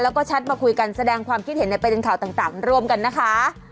แล้วก็แชทมาคุยกันแสดงความคิดเห็นในประเด็นข่าวต่างร่วมกันนะคะ